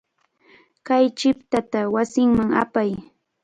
Kay chiqtata wasiman apay.